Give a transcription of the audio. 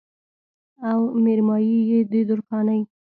او مېرمايي يې د درخانۍ